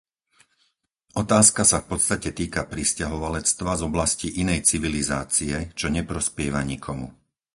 Otázka sa v podstate týka prisťahovalectva z oblasti inej civilizácie, čo neprospieva nikomu.